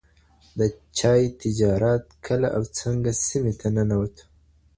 د چای تجارت کله او څنګه سیمې ته ننوت؟